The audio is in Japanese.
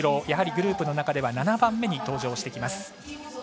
やはりグループの中では７番目に登場してきます。